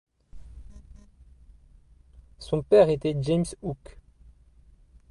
Son père était James Hook.